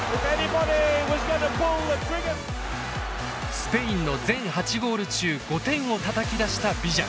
スペインの全８ゴール中５点をたたき出したビジャ。